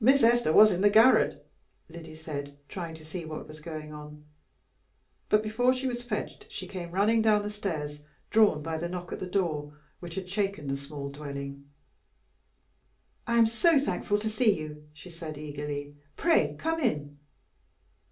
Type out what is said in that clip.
"Miss Esther was in the garret," Lyddy said, trying to see what was going on. But before she was fetched she came running down the stairs, drawn by the knock at the door, which had shaken the small dwelling. "I am so thankful to see you," she said, eagerly. "Pray come in."